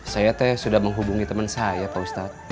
saya teh sudah menghubungi teman saya pak ustadz